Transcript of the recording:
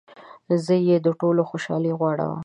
زه يې د ټولو خوشحالي غواړمه